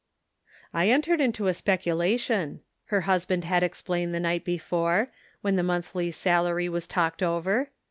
" I entered into a speculation," her husband had explained the night before, when the monthly salary was talked over.